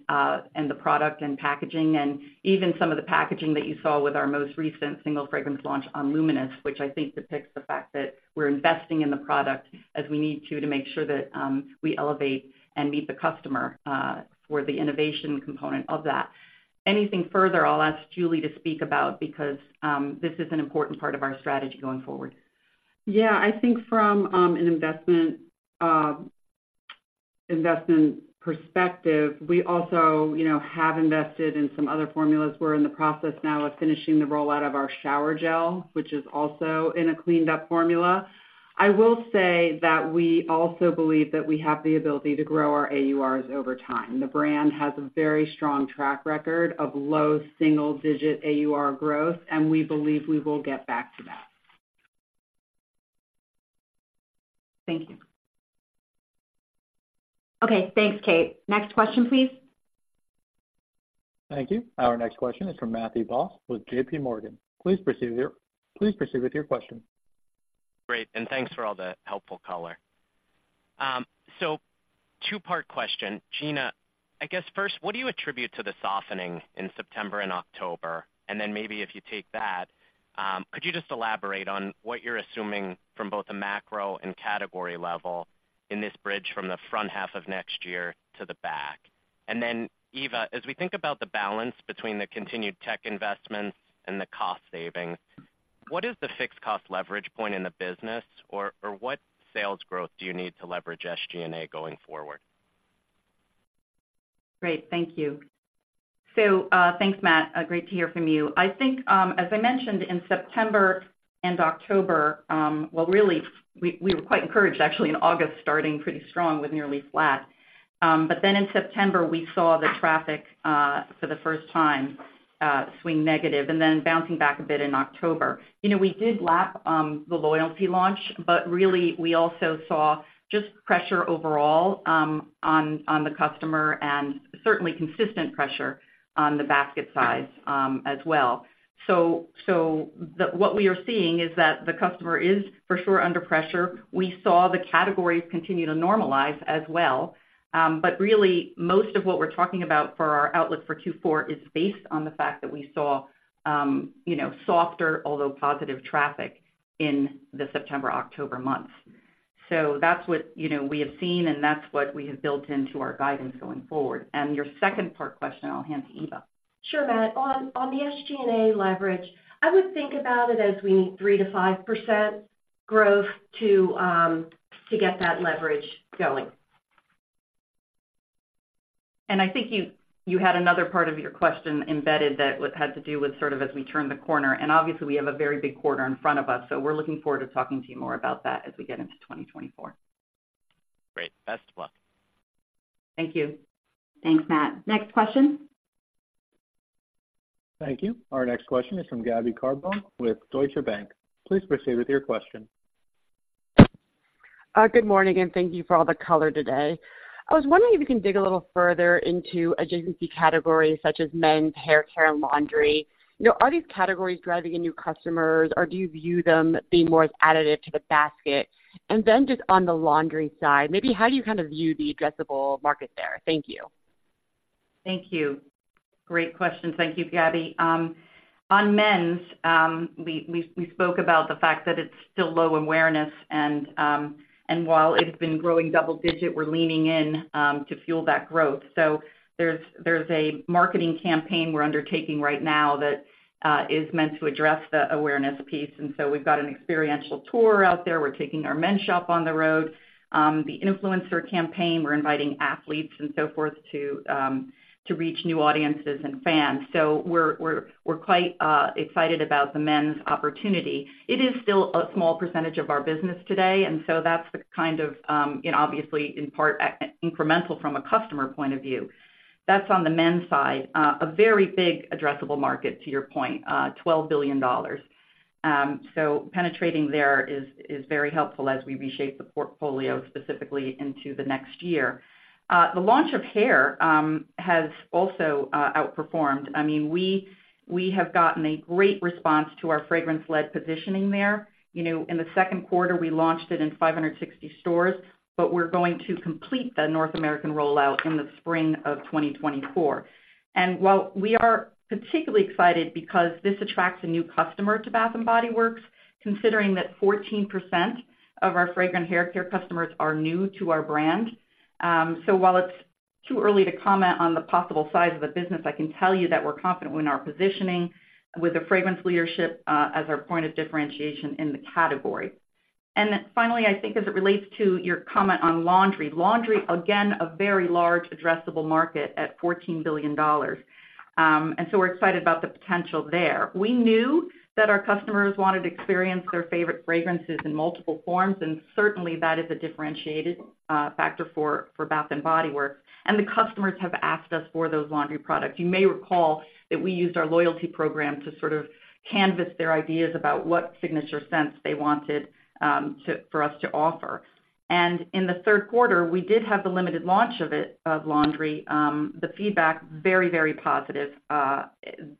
the product and packaging, and even some of the packaging that you saw with our most recent single fragrance launch on Luminous, which I think depicts the fact that we're investing in the product as we need to, to make sure that we elevate and meet the customer for the innovation component of that. Anything further, I'll ask Julie to speak about because this is an important part of our strategy going forward. Yeah, I think from an investment perspective, we also, you know, have invested in some other formulas. We're in the process now of finishing the rollout of our shower gel, which is also in a cleaned up formula. I will say that we also believe that we have the ability to grow our AURs over time. The brand has a very strong track record of low single-digit AUR growth, and we believe we will get back to that. Thank you. Okay, thanks, Kate. Next question, please. Thank you. Our next question is from Matthew Boss with JPMorgan. Please proceed with your question. Great, and thanks for all the helpful color. So two-part question. Gina, I guess first, what do you attribute to the softening in September and October? And then maybe if you take that, could you just elaborate on what you're assuming from both the macro and category level in this bridge from the front half of next year to the back? And then, Eva, as we think about the balance between the continued tech investments and the cost savings, what is the fixed cost leverage point in the business, or, or what sales growth do you need to leverage SG&A going forward? Great. Thank you. So, thanks, Matt. Great to hear from you. I think, as I mentioned in September and October, well, really, we were quite encouraged, actually, in August, starting pretty strong with nearly flat. But then in September, we saw the traffic, for the first time, swing negative and then bouncing back a bit in October. You know, we did lap the loyalty launch, but really, we also saw just pressure overall, on the customer and certainly consistent pressure on the basket size, as well. So, what we are seeing is that the customer is, for sure, under pressure. We saw the categories continue to normalize as well, but really, most of what we're talking about for our outlook for Q4 is based on the fact that we saw, you know, softer, although positive traffic in the September, October months. So that's what, you know, we have seen, and that's what we have built into our guidance going forward. Your second part question, I'll hand to Eva. Sure, Matt. On the SG&A leverage, I would think about it as we need 3%-5% growth to get that leverage going. I think you had another part of your question embedded that had to do with sort of as we turn the corner, and obviously, we have a very big quarter in front of us, so we're looking forward to talking to you more about that as we get into 2024. Great. Best of luck. Thank you. Thanks, Matt. Next question? Thank you. Our next question is from Gabriella Carbone with Deutsche Bank. Please proceed with your question. Good morning, and thank you for all the color today. I was wondering if you can dig a little further into adjacency categories such as men's hair care and laundry. You know, are these categories driving in new customers, or do you view them being more as additive to the basket? And then just on the laundry side, maybe how do you kind of view the addressable market there? Thank you. Thank you. Great question. Thank you, Gabby. On men's, we spoke about the fact that it's still low awareness and while it's been growing double-digit, we're leaning into fuel that growth. So, there's a marketing campaign we're undertaking right now that is meant to address the awareness piece, and so we've got an experiential tour out there. We're taking our Men's Shop on the road, the influencer campaign. We're inviting athletes and so forth to reach new audiences and fans. So, we're quite excited about the men's opportunity. It is still a small percentage of our business today, and so that's the kind of, you know, obviously, in part, incremental from a customer point of view. That's on the men's side, a very big addressable market, to your point, $12 billion. So penetrating there is very helpful as we reshape the portfolio, specifically into the next year. The launch of hair has also outperformed. I mean, we have gotten a great response to our fragrance-led positioning there. You know, in the second quarter, we launched it in 560 stores, but we're going to complete the North American rollout in the spring of 2024. And while we are particularly excited because this attracts a new customer to Bath & Body Works, considering that 14% of our fragrant hair care customers are new to our brand, so while it's too early to comment on the possible size of the business. I can tell you that we're confident in our positioning with the fragrance leadership as our point of differentiation in the category. And then finally, I think as it relates to your comment on laundry. Laundry, again, a very large addressable market at $14 billion. And so we're excited about the potential there. We knew that our customers wanted to experience their favorite fragrances in multiple forms, and certainly, that is a differentiated factor for Bath & Body Works, and the customers have asked us for those laundry products. You may recall that we used our loyalty program to sort of canvass their ideas about what signature scents they wanted for us to offer. And in the third quarter, we did have the limited launch of it, of laundry. The feedback very, very positive,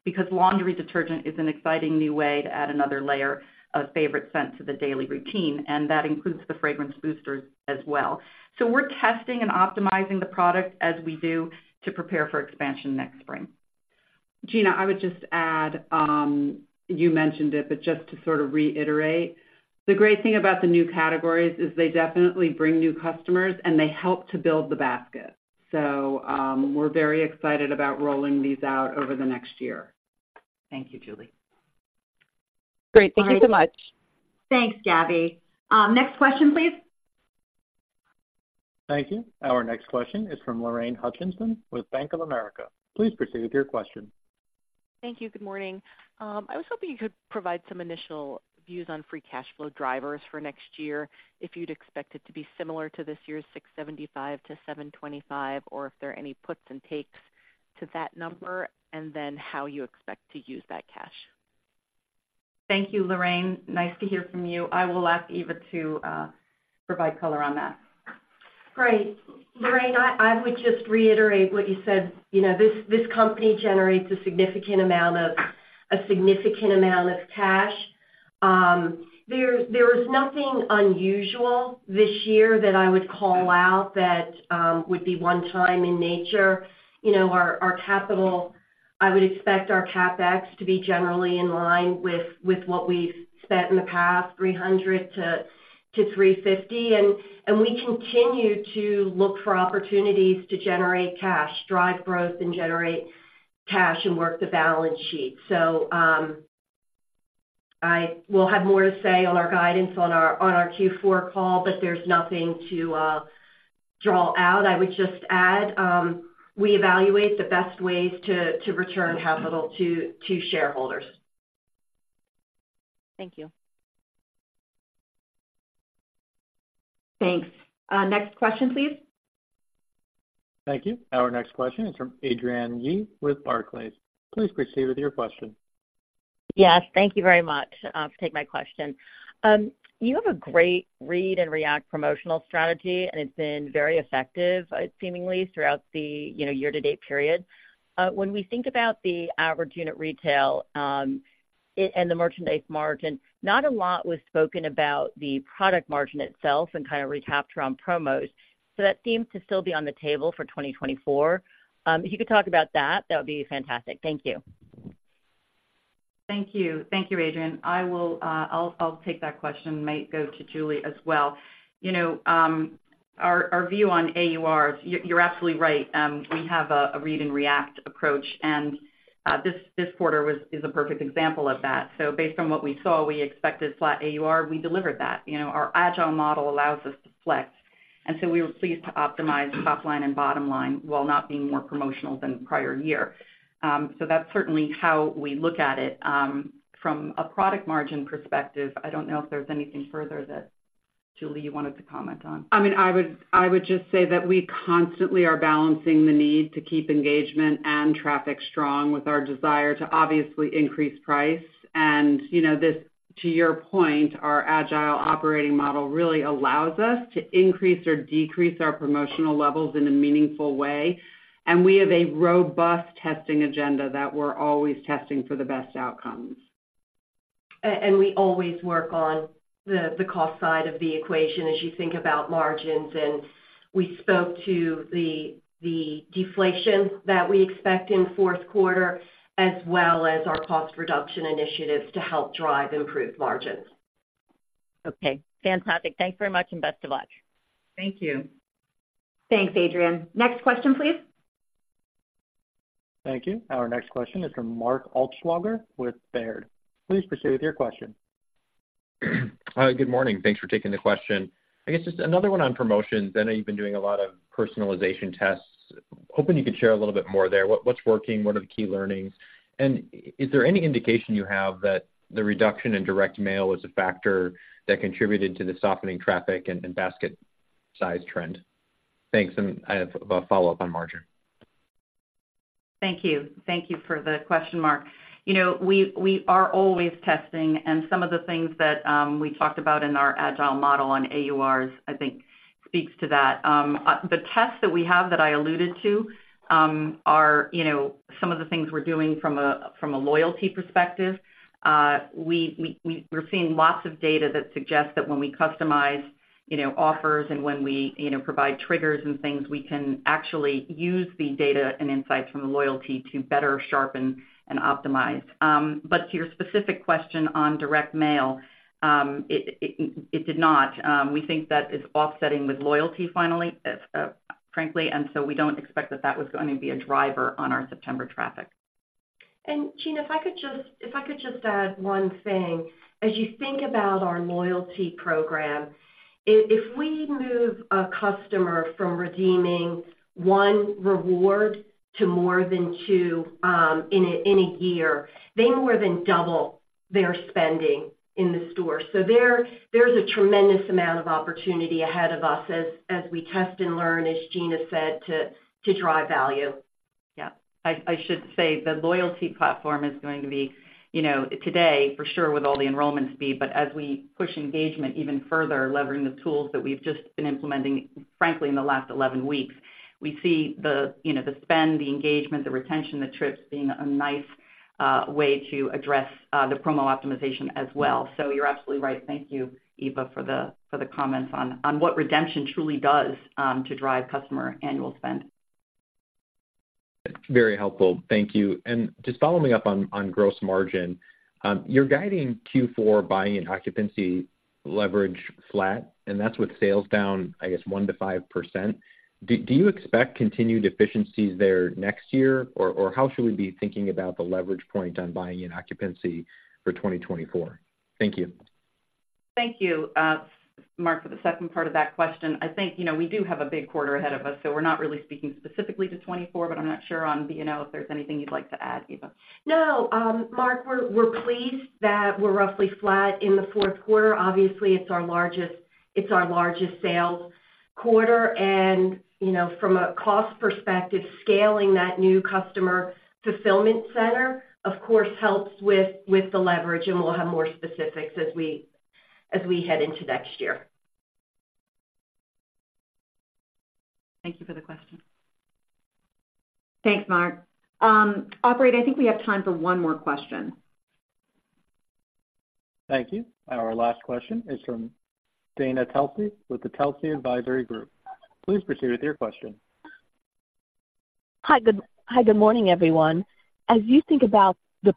because laundry detergent is an exciting new way to add another layer of favorite scent to the daily routine, and that includes the fragrance boosters as well. So we're testing and optimizing the product as we do to prepare for expansion next spring. Gina, I would just add, you mentioned it, but just to sort of reiterate, the great thing about the new categories is they definitely bring new customers, and they help to build the basket. So, we're very excited about rolling these out over the next year. Thank you, Julie. Great. Thank you so much. Thanks, Gabby. Next question, please. Thank you. Our next question is from Lorraine Hutchinson with Bank of America. Please proceed with your question. Thank you. Good morning. I was hoping you could provide some initial views on free cash flow drivers for next year, if you'd expect it to be similar to this year's $675 million-$725 million, or if there are any puts and takes to that number, and then how you expect to use that cash. Thank you, Lorraine. Nice to hear from you. I will ask Eva to provide color on that. Great. Lorraine, I would just reiterate what you said. You know, this company generates a significant amount of cash. There is nothing unusual this year that I would call out that would be one-time in nature. You know, our capital, I would expect our CapEx to be generally in line with what we've spent in the past, $300-$350, and we continue to look for opportunities to generate cash, drive growth, and generate cash and work the balance sheet. So, I will have more to say on our guidance on our Q4 call, but there's nothing to draw out. I would just add, we evaluate the best ways to return capital to shareholders. Thank you. Thanks. Next question, please. Thank you. Our next question is from Adrienne Yih with Barclays. Please proceed with your question. Yes, thank you very much, for taking my question. You have a great read and react promotional strategy, and it's been very effective, seemingly throughout the, you know, year-to-date period. When we think about the Average Unit Retail, and the merchandise margin, not a lot was spoken about the product margin itself and kind of recapture on promos. So that seems to still be on the table for 2024. If you could talk about that, that would be fantastic. Thank you. Thank you. Thank you, Adrienne. I'll take that question, might go to Julie as well. You know, our view on AUR, you're absolutely right. We have a read and react approach, and this quarter is a perfect example of that. So based on what we saw, we expected flat AUR, we delivered that. You know, our agile model allows us to flex, and so we were pleased to optimize top-line and bottom-line while not being more promotional than the prior year. So that's certainly how we look at it. From a product margin perspective, I don't know if there's anything further that, Julie, you wanted to comment on. I mean, I would, I would just say that we constantly are balancing the need to keep engagement and traffic strong with our desire to obviously increase price. And, you know, this, to your point, our agile operating model really allows us to increase or decrease our promotional levels in a meaningful way. And we have a robust testing agenda that we're always testing for the best outcomes. And we always work on the cost side of the equation as you think about margins, and we spoke to the deflation that we expect in fourth quarter, as well as our cost reduction initiatives to help drive improved margins. Okay, fantastic. Thanks very much, and best of luck. Thank you. Thanks, Adrienne. Next question, please. Thank you. Our next question is from Mark Altschwager with Baird. Please proceed with your question. Hi, good morning. Thanks for taking the question. I guess just another one on promotions. I know you've been doing a lot of personalization tests. Hoping you could share a little bit more there. What, what's working? What are the key learnings? And is there any indication you have that the reduction in direct mail was a factor that contributed to the softening traffic and, and basket size trend? Thanks, and I have a follow-up on margin. Thank you. Thank you for the question, Mark. You know, we are always testing, and some of the things that we talked about in our agile model on AURs, I think speaks to that. The tests that we have that I alluded to are, you know, some of the things we're doing from a loyalty perspective. We're seeing lots of data that suggests that when we customize, you know, offers and when we, you know, provide triggers and things, we can actually use the data and insights from the loyalty to better sharpen and optimize. But to your specific question on direct mail, it did not. We think that it's offsetting with loyalty, finally, frankly, and so we don't expect that was going to be a driver on our September traffic. And Gina, if I could just add one thing. As you think about our loyalty program, if we move a customer from redeeming one reward to more than two in a year, they more than double their spending in the store. So there's a tremendous amount of opportunity ahead of us as we test and learn, as Gina said, to drive value. Yeah. I should say the loyalty platform is going to be, you know, today, for sure, with all the enrollment speed, but as we push engagement even further, leveraging the tools that we've just been implementing, frankly, in the last 11 weeks, we see the, you know, the spend, the engagement, the retention, the trips being a nice way to address the promo optimization as well. So you're absolutely right. Thank you, Eva, for the comments on what redemption truly does to drive customer annual spend. Very helpful. Thank you. And just following up on gross margin. You're guiding Q4 buying and occupancy leverage flat, and that's with sales down, I guess, 1%-5%. Do you expect continued efficiencies there next year? Or how should we be thinking about the leverage point on buying and occupancy for 2024? Thank you. Thank you, Mark, for the second part of that question. I think, you know, we do have a big quarter ahead of us, so we're not really speaking specifically to 2024, but I'm not sure on B&O if there's anything you'd like to add, Eva. No, Mark, we're pleased that we're roughly flat in the fourth quarter. Obviously, it's our largest sales quarter and, you know, from a cost perspective, scaling that new customer fulfillment center, of course, helps with the leverage, and we'll have more specifics as we head into next year. Thank you for the question. Thanks, Mark. Operator, I think we have time for one more question. Thank you. Our last question is from Dana Telsey with the Telsey Advisory Group. Please proceed with your question. Hi, good morning, everyone. As you think about the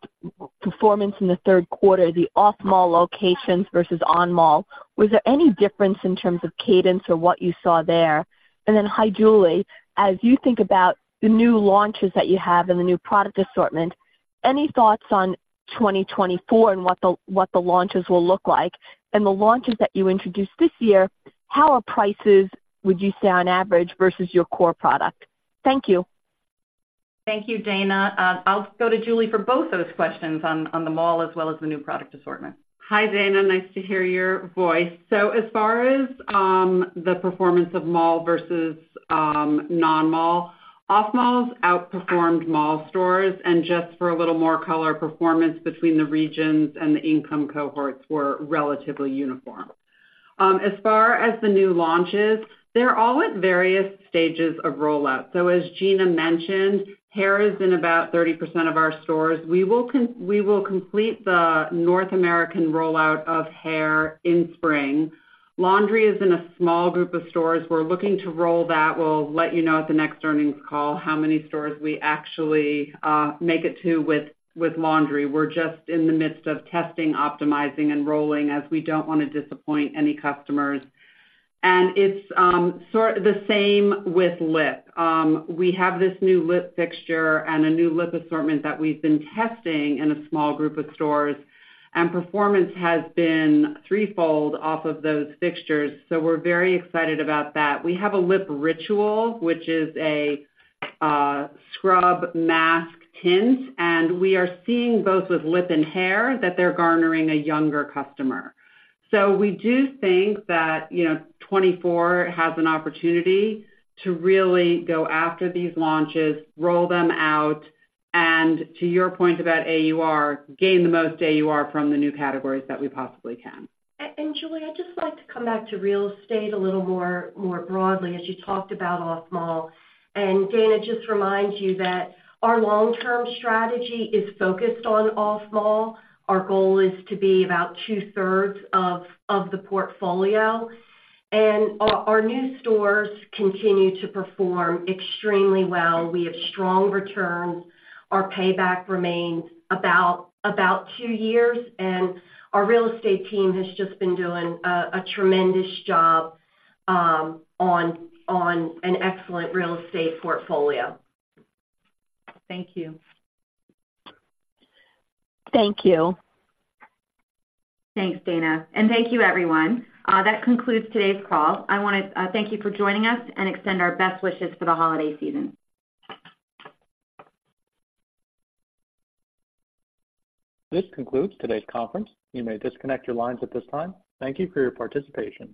performance in the third quarter, the off-mall locations versus on-mall, was there any difference in terms of cadence or what you saw there? And then, hi, Julie. As you think about the new launches that you have and the new product assortment, any thoughts on 2024 and what the, what the launches will look like? And the launches that you introduced this year, how are prices, would you say, on average, versus your core product? Thank you. Thank you, Dana. I'll go to Julie for both those questions on the mall as well as the new product assortment. Hi, Dana, nice to hear your voice. So as far as the performance of mall versus non-mall, off-malls outperformed mall stores, and just for a little more color, performance between the regions and the income cohorts were relatively uniform. As far as the new launches, they're all at various stages of rollout. So as Gina mentioned, hair is in about 30% of our stores. We will complete the North American rollout of hair in spring. Laundry is in a small group of stores. We're looking to roll that. We'll let you know at the next earnings call how many stores we actually make it to with laundry. We're just in the midst of testing, optimizing, and rolling as we don't wanna disappoint any customers. And it's the same with lip. We have this new lip fixture and a new lip assortment that we've been testing in a small group of stores, and performance has been threefold off of those fixtures, so we're very excited about that. We have a lip ritual, which is a scrub mask tint, and we are seeing both with lip and hair, that they're garnering a younger customer. So, we do think that, you know, 2024 has an opportunity to really go after these launches, roll them out, and to your point about AUR, gain the most AUR from the new categories that we possibly can. And Julie, I'd just like to come back to real estate a little more broadly as you talked about off mall. And Dana, just remind you that our long-term strategy is focused on off mall. Our goal is to be about 2/3s of the portfolio, and our new stores continue to perform extremely well. We have strong returns. Our payback remains about two years, and our real estate team has just been doing a tremendous job on an excellent real estate portfolio. Thank you. Thank you. Thanks, Dana, and thank you, everyone. That concludes today's call. I wanna thank you for joining us and extend our best wishes for the holiday season. This concludes today's conference. You may disconnect your lines at this time. Thank you for your participation.